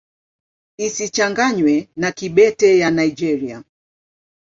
Isichanganywe na Kibete ya Nigeria.